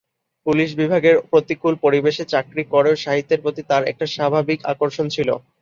Police বিভাগের প্রতিকূল পরিবেশে চাকরি করেও সাহিত্যের প্রতি তাঁর একটা স্বাভাবিক আকর্ষণ ছিল।